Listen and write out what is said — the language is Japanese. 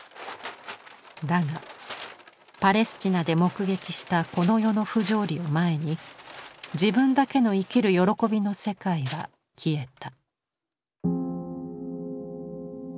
だがパレスチナで目撃したこの世の不条理を前に自分だけの生きる喜びの世界は消えた。